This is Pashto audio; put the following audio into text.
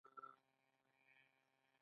درېیمه برخه د کمي څېړنو په اړه ده.